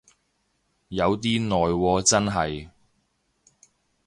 有啲耐喎真係